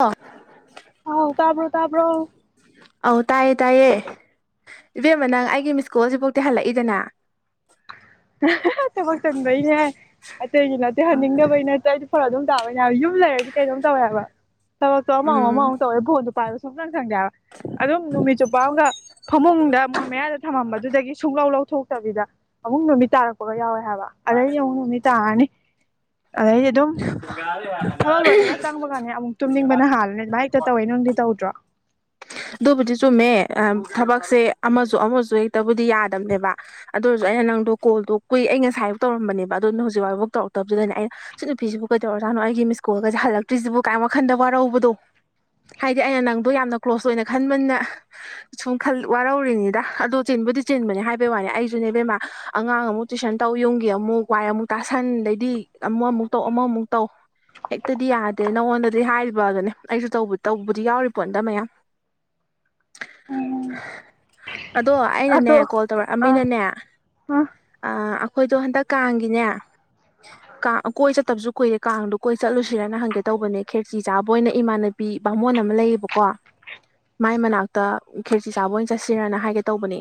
ꯑ ꯑꯥꯎ ꯇꯥꯕ꯭ꯔꯣ ꯇꯥꯕ꯭ꯔꯣ ꯑ ꯇꯥꯏꯌꯦ ꯇꯥꯏꯌꯦ ꯏꯕꯦꯝꯃ ꯅꯪ ꯑꯩꯒꯤ ꯃꯤꯁꯀꯣꯜꯁꯤꯐꯥꯎꯗꯤꯤ ꯍꯜꯂꯛꯏꯗꯅ ꯊꯕꯛ ꯆꯪꯕꯩꯅꯦ ꯑꯇꯩꯒꯤ ꯅꯇꯩꯦ ꯍꯟꯅꯤꯡꯗꯕꯩ ꯅꯇꯩꯗꯤ ꯐꯔ ꯑꯗꯨꯝ ꯇꯅꯦ ꯍꯥꯏꯕ ꯌꯨꯝ ꯂꯩꯔꯗꯤ ꯀꯩꯅꯗꯧꯝ ꯇꯧꯋꯦꯕ ꯊꯕꯛꯇꯣ ꯑꯃꯥꯎ ꯎꯝ ꯑꯃꯥꯎ ꯇꯧꯋꯦ ꯐꯣꯟꯗ ꯄ ꯁꯨꯝꯅ ꯆꯪꯒ ꯑꯗꯨꯝ ꯅꯨꯃꯤꯠ ꯆꯨꯞꯄ ꯑꯃꯒ ꯐꯃꯨꯡꯗ ꯃꯣꯟ ꯃꯌꯥꯗ ꯊꯝꯃꯝꯕꯗꯨꯗꯒꯤ ꯁꯨꯡꯂꯧ ꯂꯧꯊꯣꯛꯇꯕꯤꯗ ꯑꯃꯨꯛ ꯅꯨꯃꯤꯠ ꯇꯥꯔꯛꯄꯒ ꯌꯥꯎꯋꯦ ꯍꯥꯏꯕ ꯑꯗꯩ ꯌꯦꯡꯉꯣ ꯅꯨꯅꯤ ꯇꯥꯔꯅꯤ ꯑꯥꯏꯗꯤ ꯑꯗꯨ ꯑꯗꯨꯝ ꯊꯕꯛ ꯂꯣꯏꯕꯒ ꯆꯪꯕꯒꯅꯦ ꯑꯃꯨꯛ ꯇꯨꯝꯅꯤꯡꯕꯅ ꯍꯥꯜꯂꯅꯦ ꯑꯗꯨꯥꯏ ꯍꯦꯛꯇ ꯇꯧꯋꯦ ꯅꯨꯡꯗꯤ ꯇꯧꯗ꯭ꯔꯣ ꯑꯗꯨꯕꯨꯗꯤ ꯆꯨꯝꯃꯦ ꯊꯕꯛꯁꯦ ꯑꯃꯁꯨ ꯑꯃꯁꯨ ꯍꯦꯛꯇꯕꯨꯗꯤ ꯌꯥꯗꯝꯕꯅꯦꯕ ꯑꯗꯨ ꯁꯨ ꯑꯩꯅ ꯅꯪꯣ ꯀꯣꯗꯣ ꯀꯨꯏ ꯑꯩ ꯉꯁꯥꯏꯐ ꯇꯧꯔꯝꯕꯅꯦ ꯑꯗꯨꯅ ꯍꯧꯛꯥꯎꯕꯐꯥꯎ ꯇꯧꯔꯛꯇꯕꯁꯤꯗꯅ ꯑꯩꯅ ꯁꯤꯠ ꯅꯨꯄꯤꯁꯤꯕꯨ ꯀꯩꯧꯔꯦ ꯖꯥꯅꯣ ꯑꯩꯒꯤ ꯃꯤꯀꯨꯜꯒꯁꯦ ꯍꯜꯂꯛꯇ꯭ꯔꯤꯁꯤꯕꯨ ꯀꯥꯏ ꯋꯥꯈꯜꯗ ꯋꯥꯔꯧꯕꯗꯣ ꯍꯥꯏꯗꯤ ꯑꯩꯅ ꯅꯪꯗꯣ ꯌꯥꯝꯅ ꯀ꯭ꯂꯣꯁ ꯑꯣꯏꯅ ꯈꯟꯕꯅ ꯁꯨꯝ ꯋꯥꯔꯧꯔꯤꯅꯤꯗ ꯑꯗꯣ ꯆꯤꯟꯕꯨꯗꯤ ꯆꯦꯟꯕꯅꯦ ꯍꯥꯏꯕꯩ ꯋꯥꯅꯤ ꯑꯩꯁꯨ ꯕꯃ ꯑꯉꯥꯡ ꯑꯃꯨꯛ ꯇꯨꯏꯁꯟ ꯇꯧ ꯌꯨꯝꯒꯤ ꯑꯃꯨꯛ ꯋꯥꯏ ꯑꯃꯨꯛ ꯇꯥꯁꯟꯗꯩꯗꯤ ꯑꯃꯨꯛ ꯑꯃꯨꯛ ꯇꯧ ꯑꯃꯃꯨꯛ ꯇꯧ ꯍꯦꯛꯇꯗꯤ ꯌꯥꯗꯦ ꯅꯪꯉꯣꯟꯗꯗꯤ ꯍꯥꯏꯔꯤꯕ ꯑꯗꯨꯅꯦ ꯑꯩꯁꯨ ꯇꯧꯕꯗꯤ ꯌꯥꯎꯔꯤ ꯄꯣ ꯑꯝꯇ ꯃꯌꯥꯝ [unintelligible] ꯑꯗꯣ ꯑꯩꯅꯅꯦ ꯑꯗꯣ ꯀꯣꯜ ꯑꯥ ꯇꯧꯔꯛꯑꯃꯤꯅꯅꯦ ꯑꯥ ꯍꯣꯏꯗꯣ ꯍꯟꯗꯛ ꯀꯥꯡꯒꯤꯅꯦ ꯀꯥꯡ ꯀꯣꯏ ꯆꯠꯇꯕꯁꯨ ꯀꯨꯏꯔꯦ ꯀꯥꯡꯗꯣ ꯀꯣꯏ ꯆꯠꯂꯨꯁꯤꯔꯅ ꯍꯪꯒꯦ ꯀꯩ ꯇꯧꯕꯅꯦ ꯈꯦꯔꯆ ꯆꯥꯕ ꯑꯣꯏꯅ ꯏꯃꯥꯟꯅꯕꯤ ꯕꯥꯃꯣꯟ ꯑꯃ ꯂꯩꯌꯦꯕꯀꯣ ꯃꯥꯏ ꯃꯅꯥꯛꯇ ꯈꯦꯔꯆꯤ ꯆꯥꯕ ꯑꯣꯏꯅ ꯆꯠꯁꯤꯔꯅ ꯍꯥꯏꯒꯦ ꯇꯧꯕꯅꯤ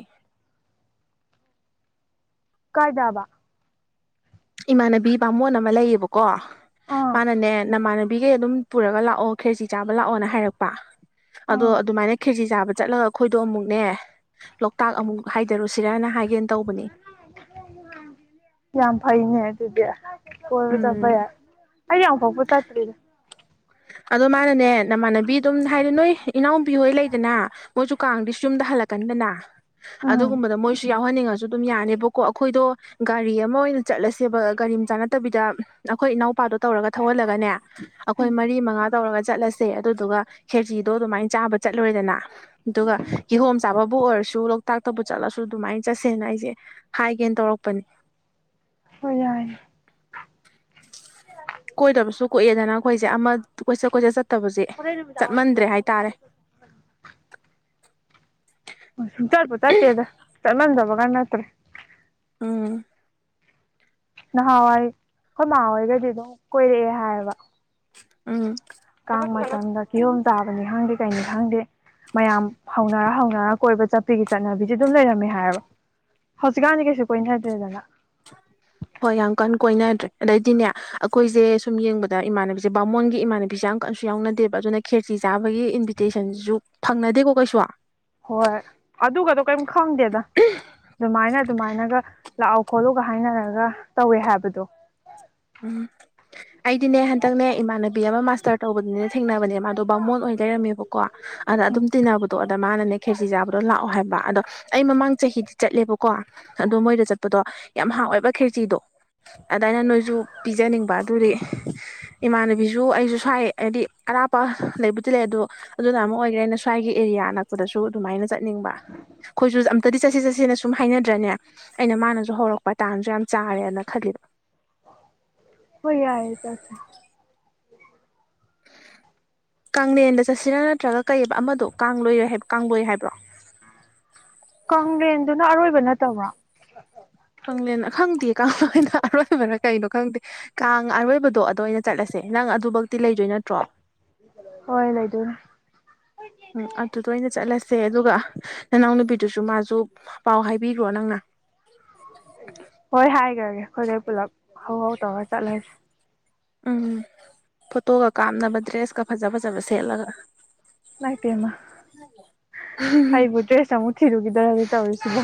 ꯀꯥꯏꯗꯥꯕꯥ ꯏꯃꯥꯟꯅꯕꯤ ꯕꯥꯃꯣꯟ ꯑꯃ ꯂꯩꯌꯦꯕꯀꯣ ꯑꯥ ꯃꯥꯅꯅꯦ ꯅꯃꯥꯟꯅꯕꯤꯈꯩ ꯑꯗꯨꯝ ꯄꯨꯔꯒ ꯂꯥꯛꯑꯣ ꯈꯦꯔꯁꯤ ꯆꯥꯕ ꯂꯥꯛꯑꯣꯅ ꯍꯥꯏꯔꯛꯄ ꯑꯗꯣ ꯑꯥ ꯑꯗꯨꯃꯥꯏꯅ ꯈꯦꯖꯤ ꯆꯥꯕꯗ ꯆꯠꯂꯒ ꯑꯩꯈꯣꯏꯗꯣ ꯑꯃꯨꯛꯅꯦ ꯂꯣꯛꯇꯥꯛ ꯑꯃꯨꯛ ꯍꯥꯏꯗꯔꯨꯁꯤꯔꯅ ꯍꯥꯏ ꯌꯥꯝ ꯐꯩꯅꯦ ꯑꯗꯨꯗꯤ ꯎꯝ ꯍꯗꯄꯌꯥ ꯑ ꯄꯄ ꯇꯇꯔꯤꯗ ꯑꯗꯨ ꯃꯥꯅꯅꯦ ꯅꯃꯥꯟꯅꯕꯤ ꯑꯗꯨꯝ ꯍꯥꯏꯗꯤ ꯅꯣꯏ ꯏꯅꯥꯎꯄꯤ ꯍꯣꯏ ꯂꯩꯗꯅ ꯃꯣꯏꯁꯨ ꯀꯥꯡꯗꯤ ꯌꯨꯝꯗ ꯍꯜꯂꯛꯀꯟꯗꯅ ꯎꯝ ꯑꯗꯨꯒꯨꯝꯕ ꯃꯣꯏꯁꯨ ꯌꯥꯎ ꯌꯥꯥꯎꯍꯟꯅꯤꯡꯉꯁꯨ ꯑꯗꯨꯝ ꯌꯥꯅꯦꯕꯀꯣ ꯑꯩꯈꯣꯏꯗꯣ ꯒꯥꯔꯤ ꯑꯃ ꯑꯣꯏꯅ ꯆꯠꯂꯁꯦꯕ ꯒꯥꯔꯤ ꯑꯃ ꯆꯥ ꯅꯠꯇꯕꯤꯗ ꯑꯩꯈꯣꯏ ꯏꯅꯥꯎꯄꯥꯗꯣ ꯇꯧꯔꯒ ꯊꯧꯍꯜꯂꯒꯅꯦ ꯑꯩꯈꯣꯏ ꯃꯔꯤ ꯃꯉꯥ ꯇꯧꯔꯒ ꯆꯠꯂꯁꯦ ꯑꯗꯨꯗꯨꯒ ꯈꯦꯖꯤꯗꯣ ꯑꯗꯨꯃꯥꯏꯅ ꯆꯥꯕ ꯆꯠꯂꯨꯔꯦꯗꯅ ꯑꯗꯨꯒ ꯀꯤꯍꯣꯝ ꯆꯥꯕ ꯕꯨ ꯑꯣꯏꯔꯁꯨ ꯂꯣꯛꯇꯥꯛꯇꯕꯨ ꯆꯠꯂꯁꯨ ꯑꯗꯨꯃꯥꯏꯅ ꯆꯠꯁꯦꯅ ꯑꯩꯁꯦ ꯍꯥꯏꯒꯦꯅ ꯇꯧꯔꯛꯄꯅꯤ ꯍ ꯌꯥꯏꯅꯤ ꯀꯣꯏꯏꯦꯗꯅ ꯑꯩꯈꯣꯏꯁꯦ ꯑꯃ ꯀꯣꯏꯆꯠ ꯀꯣꯏꯆꯠ ꯆꯠ ꯑꯣꯣꯔꯦ ꯅꯨꯃꯤꯗꯥ ꯑꯣꯏꯂ ꯆꯃꯟꯕꯒꯅ ꯍꯥꯠꯇ꯭ꯔꯦ ꯎꯝ ꯅꯍꯥꯟꯋꯥꯏ ꯑꯩꯈꯣꯏ ꯃꯍꯍꯥꯋꯥꯣꯏꯒꯗꯤ ꯑꯗꯨꯝ ꯀꯣꯏꯔꯛꯑꯦ ꯍꯥꯏꯌꯦꯕ ꯎꯝ ꯀꯥꯡ ꯃꯇꯝꯗ ꯀꯤꯍꯣꯝ ꯆꯥꯕꯅꯤ ꯈꯪꯗꯦ ꯀꯩꯅꯤ ꯈꯪꯗꯦ ꯃꯌꯥꯝ ꯍꯧꯅꯔ ꯍꯧꯅꯔ ꯀꯣꯏꯕ ꯆꯠꯄꯤꯒꯤ ꯆꯠꯅꯕꯤꯁꯦ ꯑꯗꯨꯝ ꯂꯩꯔꯝꯃꯦ ꯍꯥꯏꯔꯕ ꯍꯧꯖꯤꯛꯀꯥꯟꯗꯤ ꯀꯩꯁꯨ ꯀꯣꯏꯅꯗ꯭ꯔꯦꯗꯅ ꯍꯣꯏ ꯌꯥꯝ ꯀꯟꯅ ꯀꯣꯏꯅꯗ꯭ꯔꯦ ꯑꯗꯩꯗꯤꯅꯦ ꯑꯩꯈꯣꯏꯖꯦ ꯁꯨꯝ ꯌꯦꯡꯕꯗ ꯏꯃꯥꯟꯅꯕꯤꯖꯦ ꯕꯥꯃꯣꯟꯒꯤ ꯏꯃꯥꯟꯅꯕꯤꯖꯦ ꯀꯩꯁꯨ ꯌꯥꯎꯅꯗꯦꯕ ꯑꯗꯨꯅ ꯈꯦꯔ꯭ꯆꯤ ꯆꯥꯕꯒꯤ ꯏꯟꯚꯤꯇꯦꯁꯟꯁꯨ ꯐꯪꯅꯗꯦꯀꯣ ꯀꯩꯁꯨ ꯍꯣꯏ ꯑꯗꯨꯒꯗꯣ ꯀꯔꯤꯝ ꯈꯪꯗꯦꯗ ꯑꯗꯨꯃꯥꯏꯅ ꯑꯗꯨꯃꯥꯏꯅꯒ ꯂꯥꯛꯑꯣ ꯈꯣꯠꯂꯨꯒ ꯍꯥꯏꯅꯔꯒ ꯇꯧꯋꯦ ꯍꯥꯏꯕꯗꯣ ꯎꯝ ꯑꯩꯗꯤꯅꯦ ꯍꯟꯗꯛꯅꯦ ꯏꯃꯥꯟꯅꯕꯤ ꯑꯃ ꯃꯥꯁꯇꯔ ꯇꯧꯕꯗꯨꯅꯦ ꯊꯦꯡꯅꯕꯅꯦ ꯃꯥꯗꯣ ꯕꯥꯃꯣꯟ ꯑꯣꯏ ꯂꯩꯔꯝꯃꯦꯕꯀꯣ ꯀꯣ ꯑꯗ ꯎꯝ ꯑꯗꯨꯝ ꯇꯤꯟꯅꯕꯗꯣ ꯑꯗ ꯃꯥꯅꯅꯦ ꯈꯦꯆ ꯆꯥꯕꯗꯣ ꯂꯥꯛꯑꯣ ꯍꯥꯏꯕ ꯑꯗꯣ ꯑꯩ ꯃꯃꯥꯡ ꯆꯍꯤꯗꯤ ꯆꯠꯂꯦꯕꯀꯣ ꯑꯗꯣ ꯃꯣꯏꯗ ꯆꯠꯄꯗꯣ ꯌꯥꯝ ꯍꯥꯎꯋꯦꯕ ꯈꯤꯔꯆꯤꯗꯣ ꯑꯗꯥ ꯑꯩꯅ ꯅꯣꯏꯁꯨ ꯄꯤꯖꯅꯤꯡꯕ ꯑꯗꯨꯗꯤ ꯏꯃꯥꯟꯅꯕꯤꯁꯨ ꯑꯩꯁꯨ ꯁ꯭ꯋꯥꯏ ꯍꯥꯏꯗꯤ ꯑꯔꯥꯞꯄ ꯂꯩꯕꯨꯗꯤ ꯂꯩ ꯑꯗꯨꯗꯣ ꯑꯗꯨꯅ ꯑꯃ ꯑꯣꯏꯈ꯭ꯔꯦ ꯑꯩꯅ ꯁ꯭ꯋꯥꯏꯒꯤ ꯑꯦꯔꯤꯌꯥ ꯑꯅꯛꯄꯗꯁꯨ ꯑꯗꯨꯃꯥꯏꯅ ꯆꯠꯅꯤꯡꯕ ꯑꯩꯈꯣꯏꯁꯨ ꯑꯝꯇꯗꯤ ꯆꯠꯁꯤ ꯆꯠꯁꯤꯅ ꯁꯨꯝ ꯍꯥꯏꯅꯗ꯭ꯔꯅꯦ ꯑꯩꯅ ꯃꯥꯅꯁꯨ ꯍꯧꯔꯛꯄ ꯇꯥꯟꯁꯨ ꯌꯥꯝ ꯆꯥꯔꯦꯅ ꯈꯜꯂꯤꯕ [inaudible] ꯍꯣꯏ ꯌꯥꯢꯌꯦ ꯆꯠꯁꯦ ꯀꯪꯂꯦꯟꯗ ꯆꯠꯁꯤꯔꯥ ꯅꯠꯇ꯭ꯔꯒ ꯀꯩꯕ ꯑꯃꯗꯣ ꯀꯥꯡꯏ ꯀꯥꯡꯂꯣꯏ ꯍꯥꯏꯕ꯭ꯔꯣ ꯀꯥꯡꯂꯦꯟꯗꯨꯅ ꯑꯔꯣꯏꯕ ꯅꯠꯇꯕ꯭ꯔꯣ ꯑꯔꯣꯏꯕꯅ ꯀꯩꯅꯣ ꯈꯪꯗꯦ ꯀꯥꯡ ꯑꯔꯣꯏꯕꯗꯣ ꯑꯗꯨ ꯑꯣꯏꯅ ꯆꯠꯂꯁꯦ ꯅꯪ ꯑꯗꯨꯕꯛꯇꯤ ꯂꯩꯗꯣꯏ ꯅꯠꯇ꯭ꯔꯣ ꯍꯣꯏ ꯂꯩꯗꯣꯏꯅꯤ ꯎꯝ ꯑꯗꯨꯗ ꯑꯣꯏꯅ ꯆꯠꯂꯁꯦ ꯑꯗꯨꯒ ꯅꯅꯥꯎ ꯅꯨꯄꯤꯗꯨꯁꯨ ꯃꯥꯁꯨ ꯄꯥꯎ ꯍꯥꯏꯕꯤꯈ꯭ꯔꯣ ꯅꯪꯅ ꯑꯩꯈꯣꯏꯗꯩ ꯄꯨꯜꯂꯞ ꯍꯧꯎ ꯍꯧꯎ ꯇꯧꯔ ꯆꯠꯂꯁꯦ ꯎꯝ ꯐꯣꯇꯣꯒ ꯀꯥꯞꯅꯕ ꯗ꯭ꯔꯦꯁꯀ ꯐꯖ ꯐꯖꯕ ꯁꯦꯠꯂꯒ ꯏꯃꯥꯏꯄꯦꯃ ꯑꯩꯕꯨ ꯗ꯭ꯔꯦꯁ ꯑꯃꯨꯛ ꯊꯤꯔꯨꯈꯤ ꯔꯗꯤ ꯇꯧꯔꯤꯁꯤꯕꯣ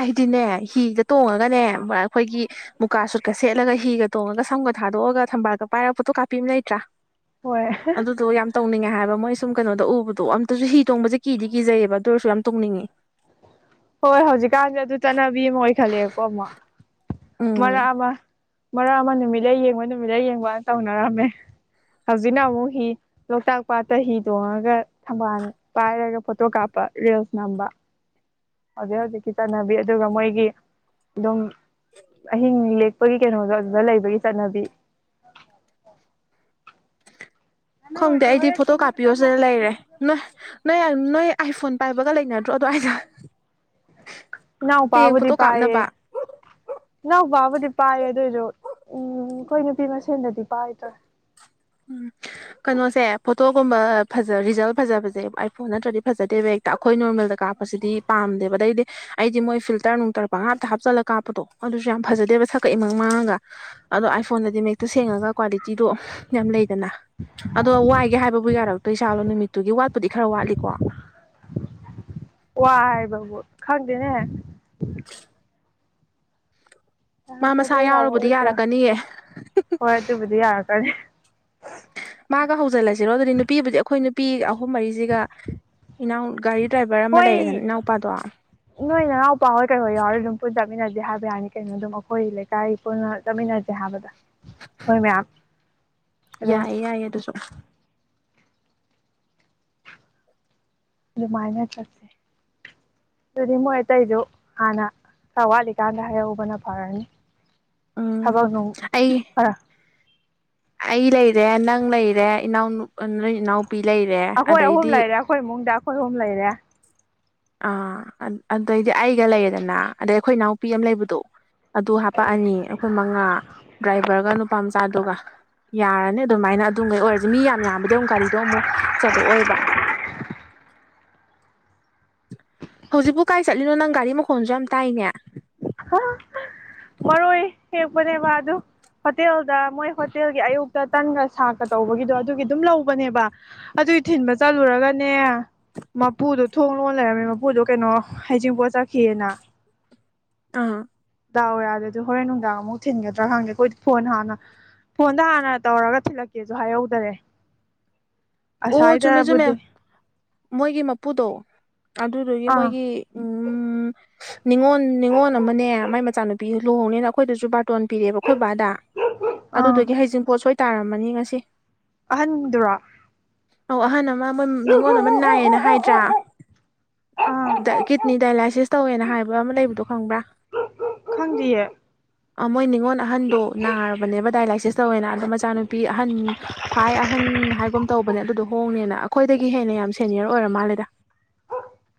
ꯑꯩꯗꯤꯅꯦ ꯍꯤꯒ ꯇꯣꯡꯉꯒꯅꯦ ꯑꯩꯈꯣꯏꯒꯤ ꯃꯨꯀꯥ ꯁꯨꯠꯀ ꯁꯦꯠꯂꯒ ꯍꯤꯒ ꯇꯣꯡꯉꯒ ꯁꯝꯒꯗ ꯊꯥꯗꯣ ꯑꯒ ꯊꯝꯕꯥꯜꯗꯣ ꯄꯥꯏꯔ ꯐꯣꯇꯣ ꯀꯥꯞꯄꯤ ꯑꯃ ꯂꯩꯇ꯭ꯔꯥ ꯍꯣꯏ ꯑꯗꯨꯗꯣ ꯌꯥꯝ ꯇꯧꯅꯤꯡꯉꯦ ꯍꯥꯏꯕ ꯃꯣꯏ ꯁꯨꯝ ꯀꯩꯅꯣꯗ ꯎꯕꯗꯣ ꯑꯝꯇꯁꯨ ꯍꯤ ꯇꯣꯡꯕꯁꯦ ꯀꯤꯗꯤ ꯀꯤꯖꯩꯌꯦꯕ ꯑꯗꯨ ꯑꯣꯏꯔꯁꯨ ꯌꯥꯝ ꯇꯨꯡꯅꯤꯡꯉꯤ ꯍꯣꯏ ꯍꯧꯖꯤꯛꯀꯥꯟꯗꯤ ꯑꯗꯨ ꯆꯠꯅꯕꯤ ꯑꯃ ꯑꯣꯏꯈꯠꯂꯛꯑꯦꯕꯀꯣ ꯑꯃꯨ ꯎꯝ ꯃꯔꯛ ꯑꯃ ꯃꯔꯛ ꯑꯃ ꯅꯨꯃꯤꯠꯂꯩ ꯌꯦꯡꯕ ꯅꯨꯃꯤꯠꯂꯩ ꯌꯦꯡꯕꯅ ꯇꯧꯅꯔꯝꯃꯦ ꯍꯧꯖꯤꯛꯅ ꯑꯃꯨꯛ ꯍꯤ ꯂꯣꯛꯇꯥꯛ ꯄꯥꯠꯇ ꯍꯤ ꯇꯣꯡꯉꯒ ꯊꯝꯕꯥꯜ ꯄꯥꯏꯔꯒ ꯐꯣꯇꯣ ꯀꯥꯞꯄ ꯔꯤꯜꯁ ꯅꯥꯝꯕ ꯍꯧꯖꯤꯛ ꯍꯧꯖꯤꯛꯀꯤ ꯆꯠꯅꯕꯤ ꯑꯗꯨꯒ ꯃꯣꯏꯒꯤ ꯑꯗꯨꯝ ꯑꯍꯤꯡ ꯂꯦꯛꯄꯒꯤ ꯀꯩꯅꯣꯗꯣ ꯑꯗꯨꯗ ꯂꯩꯕꯒꯤ ꯆꯠꯅꯕꯤ ꯈꯪꯗꯦ ꯑꯩꯗꯤ ꯐꯣꯇꯣ ꯀꯥꯞꯄꯤꯌꯣꯁꯤꯗ ꯂꯩꯔꯦ ꯅꯣꯏ ꯅꯣꯏ ꯅꯣꯏ ꯑꯥꯏꯐꯣꯟ ꯄꯥꯏꯕꯒ ꯂꯩꯅꯗ꯭ꯔꯣ [unintelligible] ꯍꯌꯦꯡ ꯏꯅꯥꯎꯄꯕꯨꯗꯤ ꯐꯣꯇꯣ ꯄꯥꯏꯌꯦ ꯀꯥꯞꯅꯕ ꯏꯅꯥꯎ ꯄꯥꯕꯨꯗꯤ ꯄꯥꯏꯌꯦ ꯑꯗꯨꯑꯣꯏꯁꯨ ꯎꯝ ꯑꯩꯈꯣꯏ ꯅꯨꯄꯤ ꯃꯁꯦꯟꯗꯗꯤ ꯄꯥꯏꯗ꯭ꯔꯦ ꯎꯝ ꯀꯩꯅꯣꯁꯦ ꯐꯣꯇꯣꯒꯨꯝꯕ ꯐꯖ ꯔꯤꯁꯦ ꯐꯖꯕꯁꯦ ꯑꯥꯏꯐꯣꯟ ꯅꯠꯇ꯭ꯔꯗꯤ ꯐꯖꯗꯦꯕ ꯍꯦꯛꯇ ꯑꯩꯈꯣꯏ ꯅꯣꯔꯃꯦꯜꯗ ꯀꯥꯞꯄꯁꯤꯗꯤ ꯄꯥꯝꯗꯦꯕꯗꯩꯗꯤ ꯑꯩꯗꯤ ꯃꯣꯏ ꯐꯤꯜꯇꯔ ꯅꯨꯡꯇꯔ ꯄꯪꯍꯥꯞꯇ ꯍꯥꯞꯆꯜꯂꯒ ꯀꯥꯞꯄꯗꯣ ꯑꯗꯨꯁꯨ ꯌꯥꯝ ꯐꯖꯗꯦ ꯍꯥꯏꯕ ꯁꯛꯀꯛ ꯏꯃꯪ ꯃꯥꯡꯉꯒ ꯑꯗꯣ ꯑꯥꯏꯐꯣꯟꯗꯗꯤ ꯃꯦꯛꯇ ꯁꯦꯡꯉꯒ ꯀ꯭ꯋꯥꯂꯤꯇꯤꯗꯣ ꯌꯥꯝ ꯂꯩꯗꯅ ꯑꯗꯣ ꯋꯥꯏꯒꯦ ꯍꯥꯏꯕꯕꯨ ꯌꯥꯔꯛꯇꯣꯏ ꯖꯥꯠꯂꯣ ꯅꯨꯃꯤꯠꯇ ꯑꯗꯨꯒꯤ ꯋꯥꯠꯄꯨꯗꯤ ꯈꯔ ꯋꯥꯠꯂꯤꯀꯣ ꯋꯥ ꯍꯥꯏꯕꯕꯨ ꯈꯪꯗꯦꯅꯦ ꯃꯥ ꯌꯔꯛꯀꯗ꯭ꯔꯥ ꯃꯁꯥ ꯌꯥꯎꯔꯕꯨꯗꯤ ꯌꯔꯛꯑꯣꯏꯗ꯭ꯔꯥ ꯌꯥꯔꯛꯀꯅꯤꯌꯦ ꯍꯣꯏ ꯑꯗꯨꯕꯨꯗꯤ ꯌꯥꯔꯛꯀꯅꯤ ꯃꯥꯒ ꯍꯧꯖꯤꯜꯂꯁꯤꯔꯣ ꯑꯗꯨꯗꯤ ꯅꯨꯄꯤꯕꯨꯗꯤ ꯑꯩꯈꯣꯏ ꯅꯨꯄꯤ ꯑꯍꯨꯝ ꯃꯔꯤꯁꯤꯒ ꯏꯅꯥꯎ ꯒꯥꯔꯤ ꯗ꯭ꯔꯥꯏꯚꯔ [inaudible] ꯑꯃ ꯍꯣꯏ ꯂꯩꯌꯦꯗꯅ ꯏꯅꯥꯎꯄꯥꯗꯣ ꯅꯣꯏ ꯅꯅꯥꯎꯄꯥ ꯍꯣꯏ ꯀꯩꯍꯣꯏ ꯌꯥꯎꯔꯗꯤ ꯑꯗꯨꯝ ꯄꯨꯟ ꯆꯠꯃꯤꯟꯅꯖꯦ ꯍꯥꯏꯕ ꯌꯥꯅꯤ ꯀꯩꯅꯣ ꯑꯗꯨꯝ ꯑꯩꯈꯣꯏ ꯂꯩꯀꯥꯏ ꯄꯨꯟꯅ ꯆꯠꯃꯤꯟꯅꯖꯦ ꯍꯥꯏꯕꯗ ꯃꯣꯏ ꯃꯌꯥꯝ ꯑꯗꯨꯝ ꯌꯥꯏꯌꯦ ꯌꯥꯏꯌꯦ ꯑꯗꯨꯁꯨ ꯑꯗꯨ ꯑꯗꯨꯃꯥꯏꯅ ꯆꯠꯁꯦ ꯑꯗꯨꯗꯤ ꯃꯣꯏ ꯑꯇꯩꯗꯨ ꯍꯥꯟꯅꯋꯥꯠꯂꯤꯀꯥꯟꯗ ꯍꯥꯏꯍꯧꯕꯅ ꯐꯔꯅꯤ ꯎꯝ ꯊꯕꯛ ꯉ ꯑꯩ ꯀꯔ ꯑꯩ ꯂꯩꯔꯦ ꯅꯪ ꯂꯩꯔꯦ ꯏꯅꯥꯎ ꯅ ꯏꯅꯥꯎ ꯑꯩꯈꯣꯏ ꯑꯍꯨꯝ ꯂꯩꯔꯦ ꯑꯩꯈꯣꯏ ꯏꯃꯨꯡꯗ ꯑꯩꯈꯣꯏ ꯑꯍꯨꯝ ꯂꯩꯔꯦ ꯑꯥ ꯑꯗꯨꯗꯩꯗꯤ ꯑꯩꯒ ꯂꯩꯌꯦꯗꯅ ꯑꯗꯩ ꯑꯩꯈꯣꯏ ꯏꯅꯥꯎꯄꯤ ꯑꯃ ꯂꯩꯕꯗꯣ ꯑꯗꯨ ꯍꯥꯄꯛꯑꯅꯤ ꯑꯩꯈꯣꯏ ꯃꯉꯥ ꯗ꯭ꯔꯥꯏꯚꯔꯒ ꯅꯨꯄꯥ ꯃꯆꯥꯗꯨꯒ ꯌꯥꯔꯅꯤ ꯑꯗꯨꯃꯥꯏꯅ ꯑꯗꯨꯈꯩ ꯑꯣꯏꯔꯁꯤ ꯃꯤ ꯌꯥꯝ ꯌꯥꯝꯕꯗꯤ ꯑꯃꯨꯛ ꯒꯥꯔꯤꯗꯣ ꯑꯃꯨꯛ ꯆꯠꯂꯛꯑꯣꯏꯕ [inaudible] ꯍꯧꯖꯤꯛꯄꯨ ꯀꯥꯏ ꯆꯠꯂꯤꯅꯣ ꯅꯪ ꯒꯥꯔꯤ ꯃꯈꯣꯟꯁꯨ ꯌꯥꯝ ꯇꯥꯏꯅꯦ ꯃꯔꯣꯏ ꯌꯦꯦꯛꯄꯅꯦꯕ ꯑꯗꯨ ꯍꯣꯇꯦꯜꯗ ꯃꯣꯏ ꯍꯣꯇꯦꯜꯒꯤ ꯑꯌꯨꯛꯇ ꯇꯟꯒ ꯁꯥꯔꯀ ꯇꯧꯕꯒꯤꯗꯣ ꯑꯗꯨꯒꯤ ꯑꯗꯨꯝ ꯂꯧꯕꯅꯦꯕ ꯑꯗꯨꯏ ꯊꯤꯟꯕ ꯆꯠꯂꯨꯔꯒꯅꯦ ꯃꯄꯨꯗꯣ ꯊꯣꯡ ꯂꯣꯟ ꯂꯩꯔꯝꯃꯦ ꯃꯄꯨꯗꯣ ꯀꯩꯅꯣ ꯍꯩꯖꯤꯡꯄꯣꯠ ꯆꯠꯈꯤꯑꯅ ꯑꯥ ꯗꯥꯎꯋ ꯌꯥꯔꯗꯗꯤ ꯑꯗꯨ ꯍꯣꯔꯦꯟ ꯅꯨꯡꯗꯥꯡ ꯑꯃꯨꯛ ꯊꯤꯟꯒꯗ꯭ꯔꯥ ꯈꯪꯗꯦ ꯑꯩꯈꯣꯏꯗꯤ ꯐꯣꯟ ꯍꯥꯟꯅ ꯐꯣꯟꯗ ꯍꯥꯟꯅ ꯇꯧꯔꯒ ꯊꯤꯜꯂꯛꯀꯦꯁꯨ ꯍꯥꯏꯍꯧꯗꯔꯦ ꯑꯣ ꯆꯨꯝꯃꯦ ꯆꯨꯝꯃꯦ ꯑꯁꯥꯏꯗꯕꯨꯗꯤ ꯃꯣꯏꯒꯤ ꯃꯄꯨꯗꯣ ꯑꯗꯨꯗꯨꯒꯤ ꯑꯥ ꯃꯣꯏꯒꯤ ꯎꯝ ꯅꯤꯉꯣꯜ ꯅꯤꯉꯣꯜ ꯑꯃꯅꯦ ꯃꯥꯏ ꯃꯆꯥꯅꯨꯄꯤ ꯂꯨꯍꯣꯡꯅꯦꯅ ꯑꯩꯈꯣꯏꯗꯁꯨ ꯇꯣꯟ ꯄꯤꯔꯑꯦꯕ ꯑꯩꯈꯣꯏ ꯕꯥꯗ ꯑꯥ ꯑꯗꯨꯗꯨꯒꯤ ꯍꯌꯦꯖꯤꯡ ꯄꯣꯠ ꯁꯣꯏ ꯇꯥꯔꯝꯃꯅꯤ ꯉꯁꯤ ꯑꯍꯟꯗꯨꯔ ꯑꯧ ꯑꯍꯟ ꯑꯃ ꯅꯤꯉꯣꯟꯜ ꯑꯃ ꯅꯥꯏꯌꯦꯦꯅ ꯍꯥꯏꯗ꯭ꯔꯥ ꯀꯤꯠꯅꯤ ꯗꯥꯏꯂꯥꯏꯁꯤꯁ ꯇꯧꯋꯦꯅ ꯍꯥꯏꯕ ꯑꯃ ꯂꯩꯕꯗꯣ ꯈꯪꯕ꯭ꯔꯥ ꯈꯪꯗꯌꯦ ꯑ ꯃꯣꯏ ꯅꯤꯡꯅꯤꯉꯣꯟ ꯑꯍꯟꯗꯣ ꯅꯥꯔꯕꯅꯦꯕ ꯗꯥꯏꯂꯥꯏꯁꯤꯁ ꯇꯧꯋꯦꯅ ꯑꯗꯣ ꯃꯆꯥꯅꯨꯄꯤ ꯑꯍꯟ ꯈ꯭ꯋꯥꯏ ꯑꯍꯟ ꯍꯥꯏꯒ ꯇꯧꯕꯅꯦ ꯑꯗꯨꯗꯣ ꯍꯣꯡꯅꯦꯅ ꯑꯩꯈꯣꯏꯗꯒꯤ ꯍꯦꯟꯅ ꯌꯥꯝ ꯁꯦꯅꯤꯌꯔ ꯑꯣꯏꯔ ꯃꯥꯜꯂꯦꯗ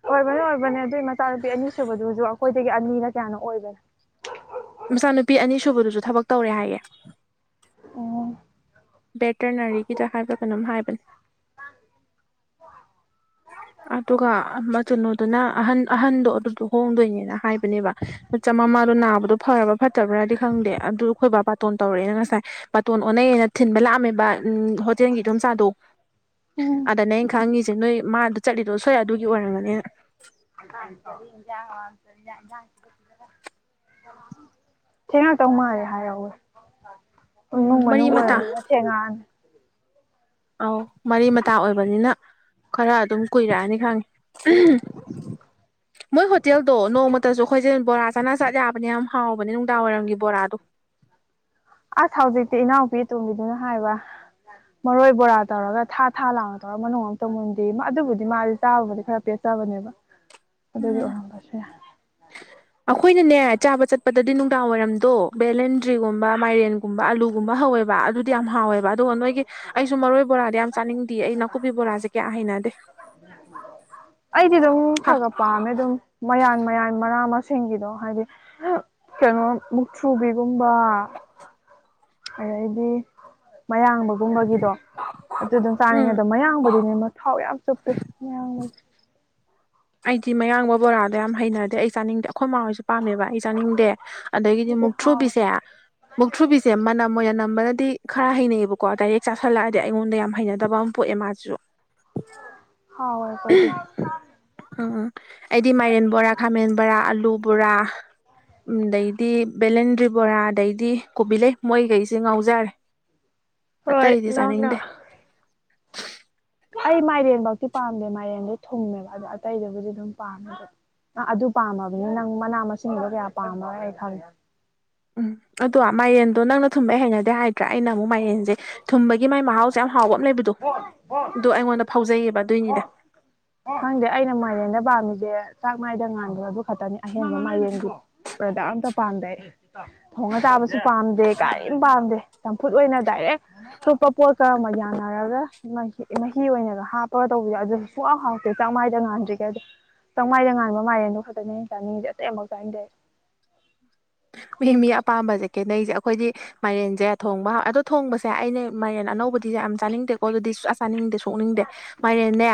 ꯑꯣꯏꯕꯅꯦ ꯑꯣꯏꯕꯅꯦ ꯑꯗꯨꯏ ꯃꯆꯥꯅꯨꯄꯤ ꯑꯅꯤꯁꯨꯨꯕꯗꯨ ꯍꯧꯁꯨꯛ ꯑꯩꯈꯣꯏꯗꯒꯤ ꯑꯅꯤꯅ ꯀꯌꯥꯅꯣ ꯑꯣꯏꯕꯅ ꯃꯆꯥꯅꯨꯄꯤ ꯑꯅꯤ ꯁꯨꯕꯗꯨꯁꯨ ꯊꯕꯛ ꯇꯧꯔꯦ ꯍꯥꯏꯌꯦꯦ ꯑꯣ ꯕꯦꯇꯔꯅꯔꯤꯒꯤꯗ ꯍꯥꯏꯕ ꯀꯩꯅꯝ ꯍꯥꯏꯕ ꯀ ꯑꯗꯨꯒ ꯃꯆꯅꯣꯗꯨꯅ ꯑꯍꯟ ꯑꯍꯟꯗꯣ ꯑꯗꯨꯗꯣ ꯍꯣꯡꯗꯣꯏꯅꯦꯅ ꯍꯥꯏꯕꯅꯦꯕ ꯆꯝꯃꯃꯥꯗꯣ ꯅꯥꯕꯗꯣ ꯐꯔꯕ꯭ꯔ ꯐꯠꯇꯕ꯭ꯔꯥꯗꯤ ꯈꯪꯗꯦ ꯑꯗꯨ ꯑꯩꯈꯣꯏ ꯕꯥ ꯄꯥꯇꯣꯟ ꯇꯧꯔꯛꯑꯦꯅ ꯉꯁꯥꯏ ꯄꯥꯇꯣꯟ ꯑꯣꯟꯅꯩꯌꯦꯅ ꯊꯤꯟꯕ ꯂꯥꯛꯑꯝꯃꯦꯕ ꯎ ꯍꯣꯇꯦꯜꯒꯤ ꯏꯣꯡꯆꯥꯥꯗꯣ ꯎꯝ ꯑꯗꯨꯗꯅ ꯑꯩꯅ ꯈꯪꯉꯁꯤ ꯁꯦ ꯅꯣꯏ ꯃꯥꯗ ꯆꯠꯂꯤꯗꯣ ꯁꯣꯏꯏ ꯑꯗꯨꯒꯤ ꯑꯣꯏꯔꯝꯒꯅꯤ [unintelligible] ꯊꯦꯡꯉꯛꯇꯧ ꯃꯥꯜꯂꯦ ꯍꯥꯏꯍꯧꯋꯦ ꯎꯝ ꯏꯃꯨꯡ ꯃꯔꯤ ꯃꯅꯨꯡ ꯃꯇꯥ ꯑꯣꯏꯔꯝꯅꯤꯅ ꯊꯦꯡ ꯉꯥꯛꯅꯤ ꯑꯧ ꯃꯔꯤ ꯃꯇꯥ ꯑꯣꯏꯕꯅꯤꯅ ꯈꯔ ꯑꯗꯨꯝ ꯀꯨꯏꯔꯛꯑꯅꯤ ꯈꯪꯉꯤ ꯃꯣꯏ ꯍꯣꯇꯦꯜꯗꯣ ꯅꯣꯡꯃꯇꯁꯨ ꯑꯩꯈꯣꯏꯁꯦ ꯕꯣꯔꯥ ꯆꯥꯅ ꯆꯠ ꯌꯥꯕꯅꯦ ꯌꯥꯝ ꯍꯥꯎꯕꯅꯦ ꯅꯨꯡꯗꯥꯡꯋꯥꯏꯔꯝꯒꯤ ꯕꯣꯔꯥꯗꯣ ꯑꯁ ꯍꯧꯖꯤꯛꯇꯤ ꯏꯅꯥꯎꯄꯤ ꯑꯇꯣꯝꯕꯤꯗꯨꯅ ꯍꯥꯏꯕ ꯃꯔꯣꯏ ꯕꯣꯔꯥ ꯇꯧꯔꯒ ꯊꯥ ꯊꯥ ꯂꯥꯡ ꯇꯧꯔꯒ ꯃꯅꯨꯡ ꯑꯃꯇꯧ ꯃꯨꯟꯗꯦ ꯑꯗꯨꯕꯨꯗꯤ ꯃꯥꯗꯤ ꯆꯥꯕꯕꯨꯗꯤ ꯈꯔ ꯄꯦꯆ ꯇꯕꯅꯦꯕ ꯎꯝ ꯑꯩꯈꯣꯏꯅꯅꯦ ꯆꯥꯕ ꯆꯠꯄꯗꯗꯤ ꯗꯥꯋꯥꯏꯔꯝꯗꯣ ꯕꯂꯦꯟ ꯆꯇ꯭ꯔꯤꯒꯨꯝꯕ ꯃꯥꯏꯔꯦꯟꯒꯨꯝꯕ ꯑꯂꯒꯕ ꯍꯧꯋꯦꯕ ꯑꯗꯨꯗꯤ ꯌꯥꯝ ꯍꯥꯎꯋꯦꯕ ꯑꯗꯨꯒ ꯅꯣꯏꯒꯤ ꯑꯩꯁꯨ ꯃꯔꯣꯏ ꯕꯣꯔꯥꯗꯤ ꯌꯥꯝ ꯆ ꯅꯤꯡꯗꯤ ꯑꯩ ꯅꯥꯀꯨꯞꯄꯤ ꯕꯣꯔꯥꯁꯦ ꯀꯌꯥ ꯍꯩꯅꯗꯦ ꯑꯩꯗꯗ ꯍꯥ ꯍꯥꯏ ꯄꯥꯝꯃꯦ ꯑꯗꯨꯝ ꯃꯌꯥꯟ ꯃꯌꯥꯟ ꯃꯅꯥ ꯃꯁꯤꯡꯒꯤꯗꯣ ꯍꯥꯏꯗꯤ ꯀꯩꯅꯣ ꯃꯨꯛꯊ꯭ꯔꯨꯕꯤꯒꯨꯝꯕ ꯑꯗꯩꯗꯤ ꯃꯌꯥꯡꯕꯒꯨꯝꯕꯒꯤꯗꯣ ꯑꯗꯨ ꯑꯗꯨꯝ ꯆꯥꯅꯤꯡꯉꯦ ꯎꯝ ꯑꯗꯣ ꯃꯌꯥꯡꯕꯗꯨꯅꯦ ꯊꯥꯎ ꯌꯥꯝ ꯆꯞꯄ꯭ꯔꯦ ꯃꯌꯥꯝꯒꯤꯁ ꯑꯩꯗꯤ ꯃꯌꯥꯡꯂꯕ ꯕꯣꯔꯥꯗ ꯌꯥꯝ ꯍꯩꯅꯗꯦ ꯑꯩ ꯆꯥꯅꯤꯡꯗꯦ ꯑꯩꯈꯣꯏ ꯃꯃꯥꯡꯣꯏꯁꯨ ꯄꯥꯝꯃꯦꯕ ꯑꯩ ꯆꯥꯅꯤꯡꯗꯦ ꯑꯗꯒꯤꯗꯤ ꯃꯨꯛ ꯍꯥꯎꯋꯦ ꯊ꯭ꯔꯨꯕꯤꯁꯦ ꯃꯨꯛ ꯊ꯭ꯔꯨꯕꯤꯁꯦ ꯃꯅꯝ ꯑꯣꯏꯅ ꯅꯝꯕꯅꯗꯤ ꯈꯔ ꯍꯩꯅꯩꯌꯦꯕꯀꯣ ꯗꯥꯏꯔꯦꯛ ꯆꯥꯥꯁꯜꯂꯛꯑꯗꯤ ꯑꯗꯤ ꯑꯩꯉꯣꯟꯗ ꯌꯥꯝ ꯍꯩꯅꯗꯕ ꯑꯃ ꯄꯣꯛꯑꯦ ꯃꯥꯁꯨ ꯍꯥꯎꯋꯦ ꯑꯩꯈꯣꯏꯗꯤ ꯎꯝ ꯑꯩꯗꯤ ꯃꯥꯏꯔꯦꯟ ꯕꯣꯔꯥ ꯈꯥꯃꯦꯟ ꯕꯣꯔꯥ ꯗꯨꯕ꯭ꯔꯥ ꯎꯗꯩꯗꯤ ꯕꯦꯂꯦꯟꯗ꯭ꯔꯤ ꯕꯣꯔꯥ ꯑꯗꯩꯗꯤ ꯀꯣꯕꯤ ꯂꯩꯩ ꯃꯣꯏꯈꯩꯁꯦ ꯉꯥꯎꯖꯔꯦ ꯍꯣꯏ ꯑꯇꯩꯗꯤ ꯂꯥꯛꯅ ꯆꯥꯅꯤꯡꯗꯦ ꯑꯩ ꯃꯥꯏꯔꯦꯟꯐꯧꯗꯤꯤ ꯄꯥꯝꯗꯦ ꯃꯥꯏꯔꯦꯟꯗ ꯊꯨꯡꯃꯦꯕ ꯑꯗꯣ ꯑꯇꯩꯗꯨꯕꯨꯗꯤ ꯑꯗꯨꯝ ꯄꯥꯝꯃꯦ ꯑꯗꯨ ꯑꯥ ꯑꯗꯨ ꯄꯥꯝꯃꯕꯅꯤ ꯅꯪ ꯃꯅꯥ ꯃꯁꯤꯡꯗꯣ ꯀꯌꯥ ꯄꯥꯝꯃ ꯑꯩ ꯈꯪꯗꯦ ꯎꯝ ꯑꯗꯣ ꯃꯥꯏꯔꯦꯟꯗꯣ ꯅꯪꯅ ꯊꯨꯝꯕ ꯍꯩꯅꯗꯦ ꯍꯥꯏꯗ꯭ꯔꯥ ꯑꯩꯅ ꯑꯃꯨꯛ ꯃꯥꯏꯔꯦꯟꯁꯦ ꯊꯨꯝꯕꯒꯤ ꯃꯥꯏ ꯃꯍꯥꯎꯁꯦ ꯌꯥꯝ ꯍꯥꯎꯕ ꯑꯃ ꯂꯩꯕꯗꯣ ꯑꯗꯨ ꯑꯩꯉꯣꯟꯗ ꯐꯥꯎꯖꯩꯌꯦꯕ ꯑꯗꯨꯏꯅꯤꯗ ꯈꯪꯗꯦ ꯑꯩꯅ ꯃꯥꯏꯔꯦꯟꯗ ꯄꯥꯝꯃꯤꯁꯦ ꯆꯥꯛ ꯃꯥꯏꯗ ꯉꯥꯟꯗꯣ ꯑꯗꯨ ꯈꯛꯇꯅꯤ ꯑꯍꯦꯟꯕ ꯃꯥꯏꯔꯦꯟꯒꯤ ꯄ꯭ꯔꯗꯛ ꯑꯝꯇ ꯄꯥꯝꯗꯩ ꯊꯣꯡꯅ ꯆꯥꯕꯁꯨ ꯄꯥꯝꯗꯦ ꯀꯔꯤꯝ ꯄꯥꯝꯗꯦ ꯆꯝꯐꯨꯠ ꯑꯣꯏꯅ ꯗꯥꯏꯔꯦꯛ ꯑꯣꯞꯄ ꯄꯣꯠ ꯀꯔꯝꯕ ꯌꯥꯅꯔꯒ ꯃꯍꯤ ꯃꯍꯤ ꯑꯣꯏꯅꯒ ꯍꯥꯞꯄꯒ ꯇꯧꯕꯁꯣ ꯑꯗꯨꯥꯎ ꯍꯥꯎ ꯑ ꯆꯦꯡꯃꯥꯗ ꯉꯥꯟꯗ꯭ꯔꯤꯦ ꯑꯗꯣ ꯆꯦꯡꯃꯥꯗꯅ ꯉꯥꯟꯕ ꯃꯥꯏꯔꯦꯟꯗꯣ ꯐꯛꯇꯅꯦ ꯆꯥꯅꯤꯡꯉꯤꯁꯦ ꯑꯇꯩ ꯑꯃꯨꯛ ꯆꯥꯅꯤꯡꯗꯦ [inaudible] ꯡ ꯃꯤ ꯑꯄꯥꯝꯕꯁꯦ ꯀꯦꯅꯩꯁꯦ ꯑꯩꯈꯣꯏꯗꯤ ꯃꯥꯏꯔꯦꯟꯁꯦ ꯊꯣꯡꯕ ꯑꯗꯣ ꯊꯣꯡꯕꯁꯦ ꯑꯩꯅ ꯃꯥꯏꯦꯟ ꯑꯅꯧꯕ ꯕꯨꯗꯤꯦ ꯌꯥꯝ ꯆꯥꯅꯤꯡꯗꯦꯀꯣ ꯑꯗꯨꯗꯤ ꯑ ꯆꯥꯅꯤꯡꯗꯦ ꯁꯣꯛꯅꯤꯡꯗꯦ ꯃꯥꯏꯔꯦꯅꯦ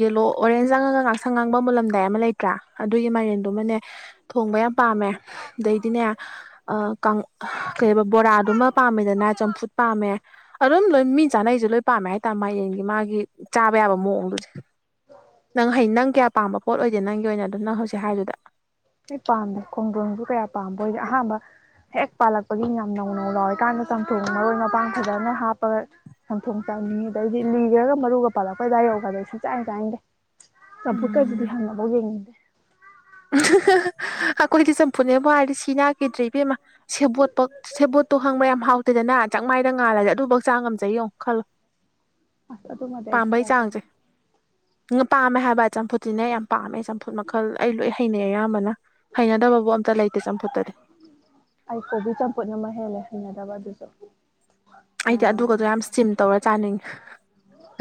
ꯌꯦꯂꯣ ꯑꯣꯔꯦꯟꯖ ꯆꯪꯉꯒ ꯑꯉꯥꯡꯕ ꯃꯨꯜꯂꯝꯗꯥꯏ ꯑꯃ ꯂꯩꯇ꯭ꯔꯥ ꯑꯗꯨꯒꯤ ꯃꯥꯏꯔꯦꯟꯗꯨꯃꯅꯦ ꯊꯣꯡꯕ ꯌꯥꯝ ꯄꯥꯝꯃꯦ ꯑꯗꯩꯗꯤꯅꯦ ꯀꯩꯕ ꯕꯣꯔꯥꯗꯨꯃ ꯄꯥꯝꯃꯦꯗꯅ ꯆꯝꯐꯨꯠ ꯄꯥꯝꯃꯦ ꯑꯗꯨꯝ ꯂꯣꯏ ꯃꯤ ꯆꯥꯅꯩ ꯑꯩꯁꯨꯦ ꯂꯣꯏ ꯄꯥꯝꯃꯦ ꯍꯥꯏꯇꯥꯔꯦ ꯃꯥꯌꯦꯡꯒꯤ ꯃꯥꯒꯤ ꯆꯥꯕ ꯌꯥꯕ ꯃꯑꯣꯡꯗꯨꯁꯦ ꯅꯪ ꯍ ꯅꯪ ꯀꯌꯥ ꯄꯥꯝꯕ ꯄꯣꯠ ꯑꯣꯏꯗꯦ ꯅꯪꯒꯤ ꯑꯣꯏꯅ ꯑꯗꯨ ꯅꯪ ꯍꯧꯖꯤꯛ ꯍꯥꯏꯗꯨꯗ ꯑꯩ ꯄꯥꯝꯕ ꯈꯣꯡꯖꯣꯝꯁꯨ ꯀꯌꯥ ꯄꯥꯝꯕ ꯑꯣꯏꯗꯤ ꯑꯍꯥꯟꯕ ꯍꯦꯛ ꯄꯥꯜꯂꯛꯄꯒꯤ ꯌꯥꯝ ꯅꯧ ꯅꯧ ꯂꯥꯎꯏꯀꯥꯟꯗ ꯆꯝꯊꯣꯡ ꯃꯔꯣꯏ ꯃꯄꯥꯡ ꯐꯖꯅ ꯍꯥꯞꯄꯒ ꯆꯝꯊꯣꯡ ꯅꯤ ꯑꯗꯩꯗꯤ ꯂꯤꯈ꯭ꯔꯒ ꯃꯔꯨꯒ ꯄꯜꯂꯛꯄꯩꯗꯥꯏ ꯌꯧꯒꯗꯩ ꯁꯨꯡ ꯆꯥꯏ ꯆꯥꯏꯗꯦ ꯅꯕꯨꯛ ꯑꯗꯨꯗꯗꯤ ꯎꯝ ꯍꯥꯉꯕꯒ ꯌꯦꯡꯉꯗꯦ ꯑꯩꯈꯣꯏꯗꯤ ꯆꯝꯐꯨꯅꯦꯕ ꯍꯥꯏꯔꯗꯤ ꯁꯤ ꯅꯥꯈꯤꯦꯗ꯭ꯔ ꯏꯕꯦꯝꯃ ꯁꯦꯕꯣꯠꯄ ꯁꯦꯕꯣꯠꯇꯣ ꯍꯥꯡꯕ ꯌꯥꯝ ꯍꯥꯎ ꯑꯗꯨꯗꯅ ꯆꯥꯛ ꯃꯥꯏꯅ ꯉꯥꯜꯂꯁꯦ ꯑꯗꯨꯐꯛ ꯆꯥ ꯉꯝꯖꯩ ꯌꯦꯡꯉꯣ ꯈꯜꯂꯣ ꯑꯁ ꯇꯨ ꯃ ꯇ ꯍꯥꯏꯁꯤ ꯆꯒꯅ ꯪ ꯄꯥꯝꯃꯦ ꯍꯥꯏꯕ ꯆꯝꯐꯨꯠꯇꯤꯅꯦ ꯌꯥꯝ ꯄꯥꯃꯦ ꯆꯝꯐꯨꯠ ꯃꯈꯜ ꯑꯩ ꯂꯣꯏ ꯍꯩꯅꯩ ꯑꯌꯥꯝꯕꯅ ꯍꯩꯅꯗꯕꯕꯨ ꯑꯝꯇ ꯂꯩꯇꯦ ꯆꯝꯐꯨꯠꯇꯗꯤ ꯑꯩ ꯀꯣꯕꯤ ꯆꯝꯐꯨꯠ ꯑꯃ ꯍꯦꯜꯂꯦ ꯍꯩꯅꯗꯕ ꯑꯗꯨꯁꯨ ꯑꯩꯗꯤ ꯃꯌꯥꯝ ꯑꯗꯨꯒꯗꯣ ꯃꯌꯥꯝ ꯌꯥꯝ ꯏꯁꯇꯤꯝ ꯇꯧꯔ ꯆꯥꯅꯤꯡꯉꯤ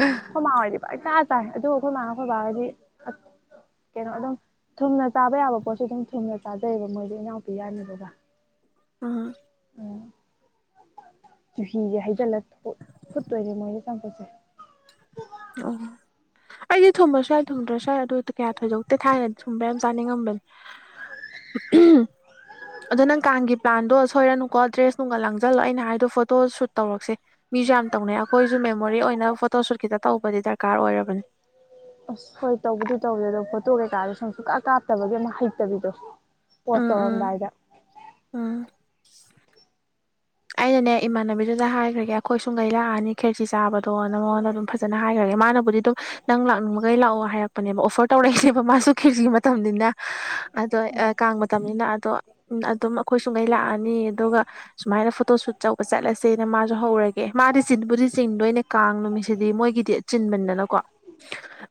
ꯑꯩꯈꯣꯏ ꯃꯥꯡꯗꯤ ꯚ ꯇꯥ ꯇꯥꯏ ꯑꯗꯨꯕꯨ ꯑꯩꯈꯣꯏ ꯃꯥꯥꯡ ꯑꯩꯈꯣꯏ ꯐꯥꯔꯒꯗꯤ ꯀꯩꯅꯣ ꯑꯗꯨꯝ ꯊꯨꯝꯅ ꯆꯥꯕ ꯌꯥꯕ ꯄꯣꯠꯁꯨ ꯑꯗꯨꯝ ꯊꯨꯝꯅ ꯆꯥꯖꯩꯑꯕ ꯃꯣꯏꯗꯤ ꯏꯅꯥꯎꯄꯤ ꯌꯥꯅꯤꯗꯨꯒ ꯑ ꯎꯝ ꯆꯨꯍꯤꯁꯦ ꯍꯩꯖꯤꯜꯂ ꯐꯨꯠꯇꯣꯏꯔꯦ ꯃꯣꯏꯒꯤ ꯆꯝꯄꯠꯁꯦ ꯑꯣ ꯑꯩꯗꯤ ꯊꯨꯝꯕ ꯁ꯭ꯋꯥꯏ ꯊꯨꯝꯗ꯭ꯔꯣ ꯁ꯭ꯋꯥꯏ ꯑꯗꯨ ꯀꯌꯥ ꯊꯣꯏꯗꯣꯛꯇꯦ ꯊꯥꯏ ꯁꯨꯝꯕ ꯌꯥꯝ ꯆꯥꯅꯤꯡꯉꯝꯕꯅꯤ ꯎꯝ ꯑꯗꯣ ꯅꯪ ꯀꯥꯟꯒꯤ ꯄ꯭ꯂꯥꯟꯗꯣ ꯁꯣꯏꯔꯅꯨꯀꯣ ꯗ꯭ꯔꯦꯁ ꯅꯨꯡꯒ ꯂꯪꯖꯜꯂꯣ ꯑꯩꯅ ꯍꯥꯏꯗꯣ ꯐꯣꯇꯣ ꯁꯨꯠ ꯇꯧꯔꯛꯁꯦ ꯃꯤꯁꯨ ꯌꯥꯝ ꯇꯧꯅꯩ ꯑꯩꯈꯣꯏꯁꯨ ꯃꯦꯃꯣꯔꯤ ꯑꯣꯏꯅ ꯐꯣꯇꯣ ꯁꯨꯠ ꯈꯤꯇ ꯇꯧꯕꯗꯤ ꯗꯔꯀꯥꯔ ꯑꯣꯏꯔꯕꯅꯦ ꯑꯁ ꯍꯣꯏ ꯇꯧꯕꯗꯤ ꯇꯧꯋꯦ ꯑꯗꯣ ꯐꯣꯇꯣ ꯀꯩꯀꯥꯗꯣ ꯁꯨꯡ ꯁꯨꯀꯥ ꯀꯥꯞꯇꯕꯒꯤ ꯑꯃꯨꯛ ꯍꯩꯇꯕꯤꯗꯣ ꯄꯣꯁ ꯎꯝ ꯎꯝ ꯇꯧꯔꯝꯗꯥꯏꯗ ꯎꯝ ꯑꯩꯅꯅꯦ ꯏꯃꯥꯟꯅꯕꯤꯗꯨꯗ ꯍꯥꯏꯈ꯭ꯔꯒꯦ ꯑꯩꯈꯣꯏ ꯁꯨꯡꯗꯩ ꯂꯥꯛꯑꯅꯤ ꯈꯦꯔꯆꯤ ꯆꯥꯕꯗꯣꯅ ꯃꯉꯣꯟꯗ ꯑꯗꯨꯝ ꯐꯖꯅ ꯍꯥꯏꯈ꯭ꯔꯒꯦ ꯃꯥꯅꯕꯨꯗꯤ ꯑꯗꯨꯝ ꯅꯪ ꯂꯥꯛꯅꯤꯡꯕꯒꯩ ꯂꯥꯛꯑꯣ ꯍꯥꯏꯔꯛꯄꯅꯦꯕ ꯑꯣꯐꯔ ꯇꯧꯔꯛꯏꯅꯦꯕ ꯃꯥꯁꯨ ꯈꯤꯔꯁꯤꯒꯤ ꯃꯇꯝꯅꯤꯅ ꯑꯗꯣ ꯀꯥꯡꯕ ꯃꯇꯝꯅꯤꯅꯤꯅ ꯑꯗꯣ ꯑꯗꯨꯝ ꯑꯩꯈꯣꯏ ꯁꯨꯡꯉꯩ ꯂꯥꯛꯑꯅꯤ ꯑꯗꯨꯒ ꯁꯨꯃꯥꯏꯅ ꯐꯣꯇꯣ ꯁꯨꯠꯆꯧꯕ ꯆꯠꯂꯁꯦꯅ ꯃꯥꯁꯨ ꯍꯧꯔꯒꯦ ꯃꯥꯗꯤ ꯆꯤꯟꯕꯨꯗꯤ ꯆꯤꯡꯗꯩꯅ ꯀꯥꯡ ꯅꯨꯃꯤꯠꯁꯤꯗꯤ ꯃꯣꯏꯒꯤꯗꯤꯟ ꯃꯦꯟꯗꯅ ꯀꯣ [inaudible]